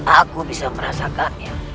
aku bisa merasakannya